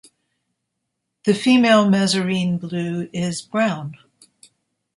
The female Mazarine blue is brown.